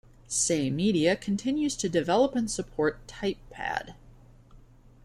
Say Media continues to develop and support TypePad.